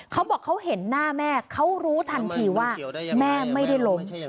เขาบอกเขาเห็นหน้าแม่เขารู้ทันทีว่าแม่ไม่ได้ล้ม